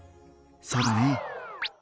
そうだね。